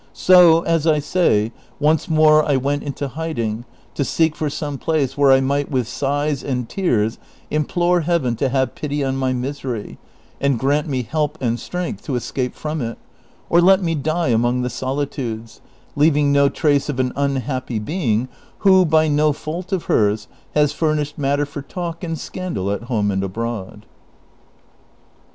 So, as I say, once more I went into hiding to seek for some place where I might with sighs and tears implore Heaven to Iiave pity on my misery, and grant me help and sti ength to escape from it, or let me die among the solitudes, leaving no trace of an unhappy being Avho, by no fault of hers, has furnished matter for talk and scandal at home and abroad